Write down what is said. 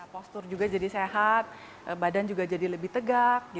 postur juga jadi sehat badan juga jadi lebih tegak